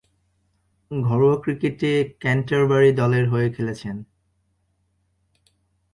ঘরোয়া ক্রিকেটে ক্যান্টারবারি দলের হয়ে খেলছেন।